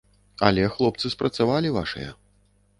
Але хлопцы спрацавалі вашыя.